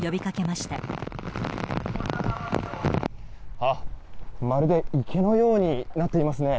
まるで池のようになっていますね。